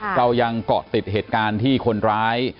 เรายังเกาะติดเหตุการณ์ที่คนร้าย